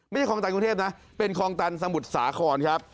คลองตันกรุงเทพนะเป็นคลองตันสมุทรสาครครับ